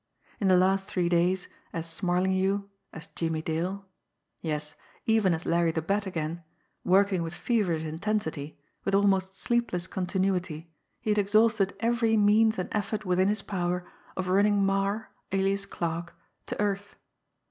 In the last three days, as Smarlinghue, as Jimmie Dale, yes, even as Larry the Bat again, working with feverish intensity, with almost sleepless continuity, he had exhausted every means and effort within his power of running Marre, alias Clarke, to earth.